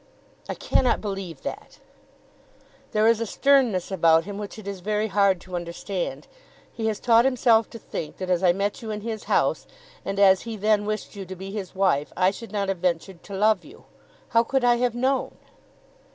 "I cannot believe that." "There is a sternness about him which it is very hard to understand. He has taught himself to think that as I met you in his house, and as he then wished you to be his wife, I should not have ventured to love you. How could I have known?"